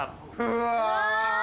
うわ！